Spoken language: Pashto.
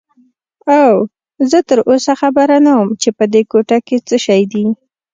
اوه، زه تراوسه خبر نه وم چې په دې کوټه کې څه شی دي.